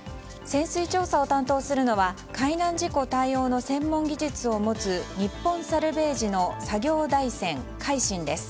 潜水調査を担当するのは海難事故対応の専門技術を持つ日本サルヴェージの作業台船「海進」です。